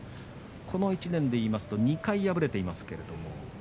この１年で見ますと２回敗れています。